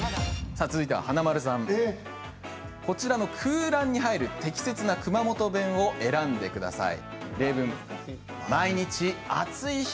華丸さん、こちらの空欄に入る適切な熊本弁を選んでください。